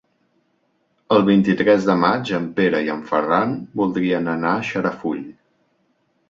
El vint-i-tres de maig en Pere i en Ferran voldrien anar a Xarafull.